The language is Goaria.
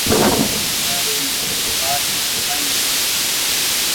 ڏآڙي مين آج ٺآيون ۔